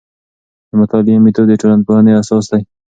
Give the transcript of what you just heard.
د مطالعې میتود د ټولنپوهنې اساس دی.